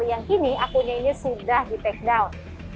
yang kini akunnya ini sudah di take down